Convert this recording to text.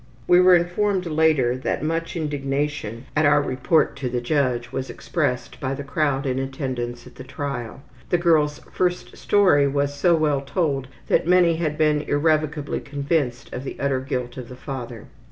We were informed later that much indignation at our report to the judge was expressed by the crowd in attendance at the trial. The girl's first story was so well told that many had been irrevocably convinced of the utter guilt of the father.